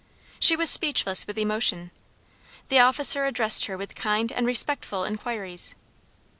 She was speechless with emotion. The officer addressed her with kind and respectful inquiries.